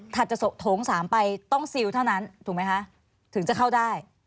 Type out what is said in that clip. จะโถง๓ไปต้องซิลเท่านั้นถูกไหมคะถึงจะเข้าได้